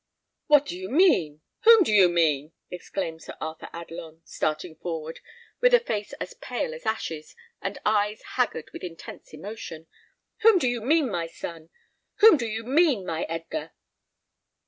"What do you mean? whom do you mean?" exclaimed Sir Arthur Adelon, starting forward, with a face as pale as ashes, and eyes haggard with intense emotion. "Whom do you mean, my son? Whom do you mean, my Edgar?"